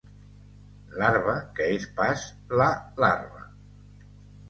Larva que és pas “la” larva.